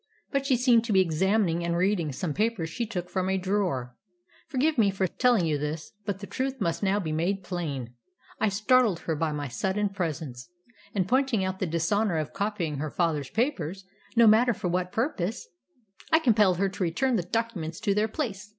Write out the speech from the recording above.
But she seemed to be examining and reading some papers she took from a drawer. Forgive me for telling you this, but the truth must now be made plain. I startled her by my sudden presence; and, pointing out the dishonour of copying her father's papers, no matter for what purpose, I compelled her to return the documents to their place.